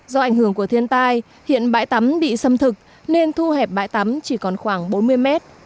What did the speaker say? do ảnh hưởng của thiên tai hiện bãi tắm bị xâm thực nên thu hẹp bãi tắm chỉ còn khoảng bốn mươi mét